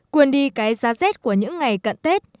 quên đi cái giá rét của những ngày cận tết